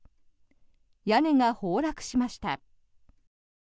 屋根が崩落しました。